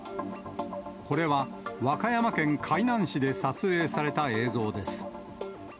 これは和歌山県海南市で撮影された映像です。